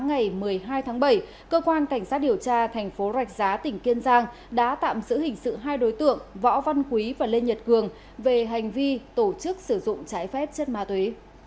ngày một mươi hai tháng bảy cơ quan cảnh sát điều tra thành phố rạch giá tỉnh kiên giang đã tạm giữ hình sự hai đối tượng võ văn quý và lê nhật cường về hành vi tổ chức sử dụng trái phép chất ma túy